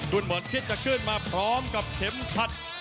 เหมือนคิดจะขึ้นมาพร้อมกับเข็มขัด